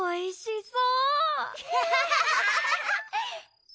そう。